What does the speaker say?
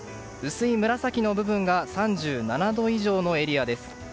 薄い紫の部分が３７度以上のエリアです。